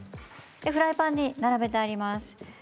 フライパンに並べてあります。